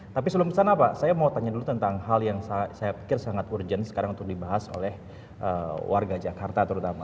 tapi sebelum kesana pak saya mau tanya dulu tentang hal yang saya pikir sangat urgent sekarang untuk dibahas oleh warga jakarta terutama